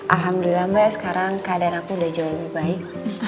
alhamdulillah mbak sekarang keadaan aku udah jauh lebih baik